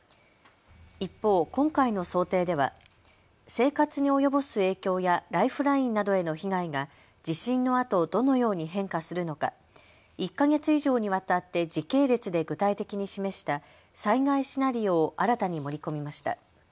一方、今回の想定では生活に及ぼす影響やライフラインなどへの被害が地震のあとどのように変化するのか１か月以上にわたって時系列で具体的に示した災害シナリオを新たに盛り込みました。